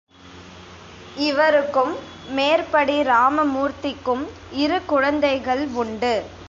இவருக்கும் மேற்படி இராமமூர்த்திக்கும் இரு குழந்தைகள் உண்டு.